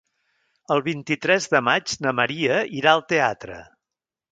El vint-i-tres de maig na Maria irà al teatre.